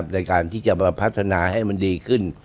ในการที่จะมาพัฒนาให้มันดีขึ้น